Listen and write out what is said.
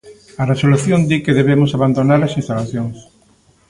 A resolución di que debemos abandonar as instalacións.